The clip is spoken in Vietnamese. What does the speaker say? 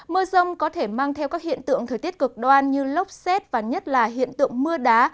mưa rông có thể mang theo các hiện tượng thời tiết cực đoan như lốc xét và nhất là hiện tượng mưa đá